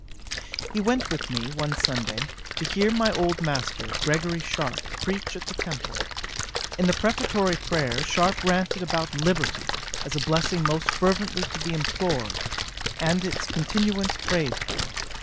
'He went with me, one Sunday, to hear my old Master, Gregory Sharpe, preach at the Temple. In the prefatory prayer, Sharpe ranted about Liberty, as a blessing most fervently to be implored, and its continuance prayed for.